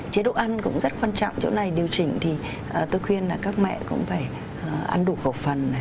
chế độ ăn cũng rất quan trọng chỗ này điều chỉnh thì tôi khuyên là các mẹ cũng phải ăn đủ khẩu phần